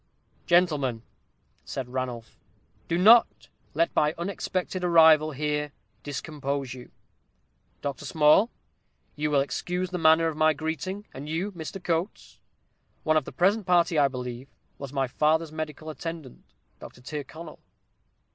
"Gentlemen," said Ranulph, "do not let my unexpected arrival here discompose you. Dr. Small, you will excuse the manner of my greeting; and you, Mr. Coates. One of the present party, I believe, was my father's medical attendant, Dr. Tyrconnel."